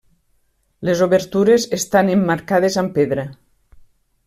Les obertures estan emmarcades amb pedra.